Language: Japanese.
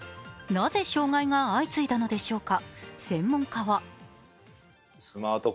なぜ障害が相次いだのでしょうか。